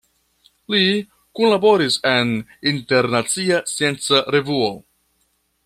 Li kunlaboris en Internacia Scienca Revuo.